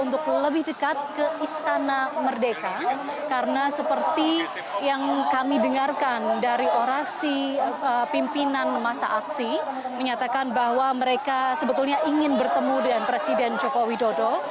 jadi dekat ke istana merdeka karena seperti yang kami dengarkan dari orasi pimpinan masa aksi menyatakan bahwa mereka sebetulnya ingin bertemu dengan presiden joko widodo